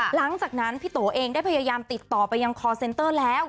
หลังจากนั้นพี่โตเองได้พยายามติดต่อไปยังคอร์เซ็นเตอร์แล้ว